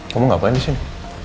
kamu ngapain disini